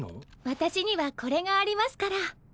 私にはこれがありますから。